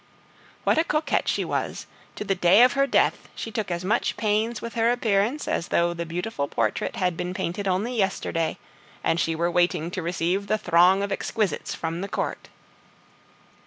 What a coquette she was! to the day of her death she took as much pains with her appearance as though the beautiful portrait had been painted only yesterday, and she were waiting to receive the throng of exquisites from the Court!